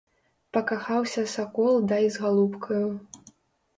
Пакахаўся сакол дай з галубкаю.